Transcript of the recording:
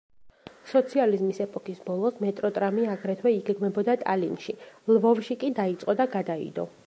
სოციალიზმის ეპოქის ბოლოს მეტროტრამი აგრეთვე იგეგმებოდა ტალინში, ლვოვში კი დაიწყო და გადაიდო.